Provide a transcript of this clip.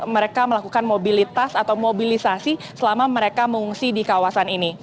mereka melakukan mobilitas atau mobilisasi selama mereka mengungsi di kawasan ini